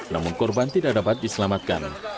namun korban tidak dapat diselamatkan